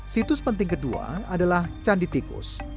situs penting kedua adalah candi tikus